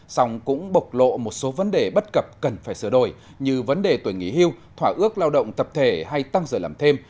xong cũng bộc lộ một số vấn đề bất cập cần phải sửa đổi như vấn đề tuổi nghỉ hưu thỏa ước lao động tập thể hay tăng giờ làm thêm